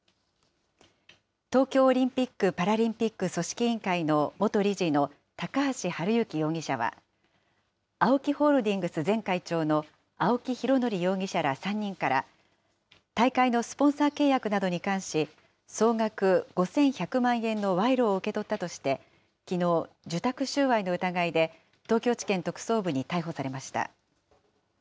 東京オリンピック・パラリンピック組織委員会の元理事の高橋治之容疑者は、ＡＯＫＩホールディングス前会長の青木拡憲容疑者ら、３人から大会のスポンサー契約などに関し、総額５１００万円の賄賂を受け取ったとして、きのう、受託収賄の疑いで、東京地検特捜部に逮捕されました。